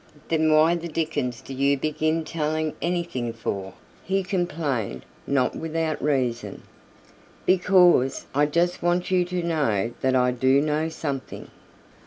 "Then why the dickens do you begin telling anything for?" he complained, not without reason. "Because I just want you to know that I do know something."